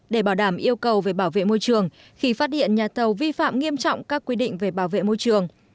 để bảo đảm yêu cầu về bảo vệ môi trường khi phát hiện nhà thầu vi phạm nghiêm trọng các quy định về bảo vệ môi trường